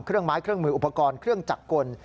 ไม้เครื่องมืออุปกรณ์เครื่องจักรกล